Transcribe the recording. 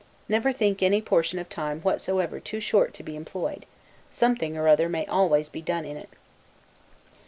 Never think any portion of time whatsoever too short to be employed; something or other may always be done in it.